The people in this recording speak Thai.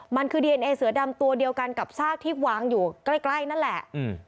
มันคือดีเอนเอเสือดำตัวเดียวกันกับซากที่วางอยู่ใกล้ใกล้นั่นแหละ